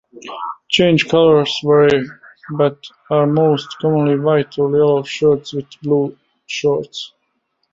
Change colours vary, but are most commonly white or yellow shirts with blue shorts.